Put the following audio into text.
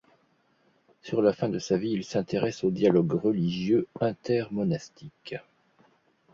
Sur la fin de sa vie il s'intéresse au dialogue religieux inter-monastique.